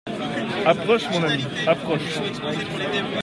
Approche, mon ami, approche.